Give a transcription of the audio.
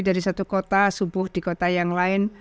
dari satu kota subuh di kota yang lain